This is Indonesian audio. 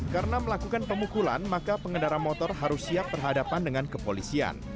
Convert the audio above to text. karena melakukan pemukulan maka pengendara motor harus siap berhadapan dengan kepolisian